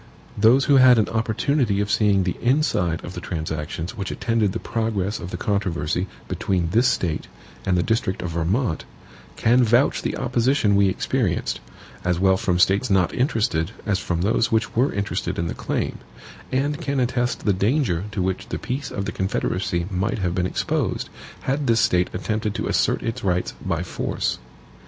Those who had an opportunity of seeing the inside of the transactions which attended the progress of the controversy between this State and the district of Vermont, can vouch the opposition we experienced, as well from States not interested as from those which were interested in the claim; and can attest the danger to which the peace of the Confederacy might have been exposed, had this State attempted to assert its rights by force.